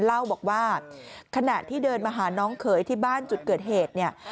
เล่าบอกว่าขณะที่เดินมาหาน้องเขยที่บ้านจุดเกิดเหตุเนี่ย